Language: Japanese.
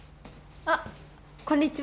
あっこんにちは